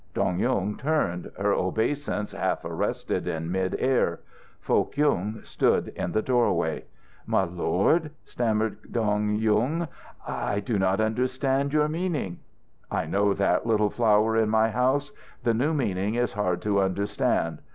Dong Yung turned, her obeisance half arrested in mid air. Foh Kyung stood in the doorway. "My lord," stammered Dong Yung, "I did not understand your meaning." "I know that, little Flower in my House. The new meaning is hard to understand.